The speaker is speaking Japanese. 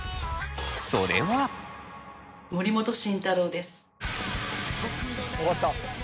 それは。終わった。